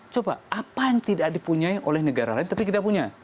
coba apa yang tidak dipunyai oleh negara lain tapi kita punya